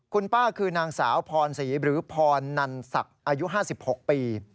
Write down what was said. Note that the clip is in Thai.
คุณป้าคือนางสาวพรศรีหรือพรนันศักดิ์อายุ๕๖ปี